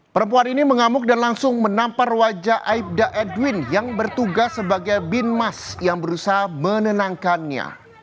perempuan ini mengamuk dan langsung menampar wajah aibda edwin yang bertugas sebagai bin mas yang berusaha menenangkannya